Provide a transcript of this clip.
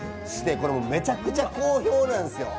これめちゃくちゃ好評なんすよ。